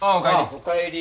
お帰り。